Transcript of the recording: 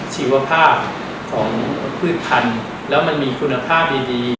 ชีวภาพของพืชพันธุ์แล้วมันมีคุณภาพดี